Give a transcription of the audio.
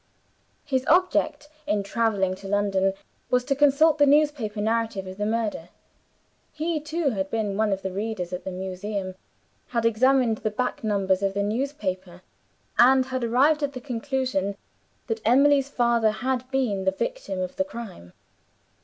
His object in traveling to London was to consult the newspaper narrative of the murder. He, too, had been one of the readers at the Museum had examined the back numbers of the newspaper and had arrived at the conclusion that Emily's father had been the victim of the crime.